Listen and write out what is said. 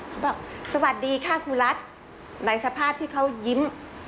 เขาบอกสวัสดีค่ะครูรัฐในสภาพที่เขายิ้ม